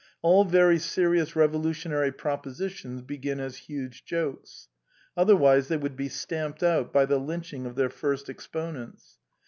All very serious revolutionary proposi tions begin as huge jokes. Otherwise they would be stamped out by the lynching of their first ex ponents.